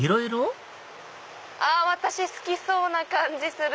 あ私好きそうな感じする！